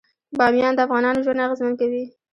بامیان د افغانانو ژوند اغېزمن کوي.